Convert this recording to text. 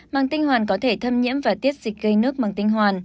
mang tinh hoàn có thể thâm nhiễm và tiết dịch gây nước bằng tinh hoàn